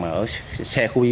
ở xe khu dân cư